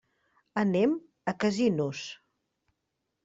Anem a Casinos.